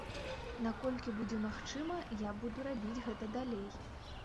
Наколькі будзе магчыма, я буду рабіць гэта далей.